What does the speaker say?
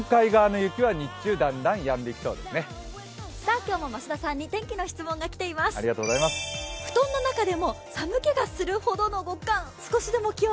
今日も増田さんに天気の質問が来ています。